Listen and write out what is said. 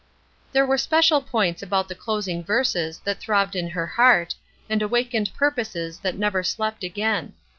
There were special points about the closing verses that throbbed in her heart, and awakened purposes that never slept again.